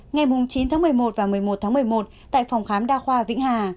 ngày chín tháng một mươi một và một mươi một tháng một mươi một tại phòng khám đa khoa vĩnh hà